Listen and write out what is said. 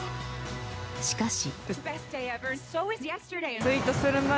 しかし。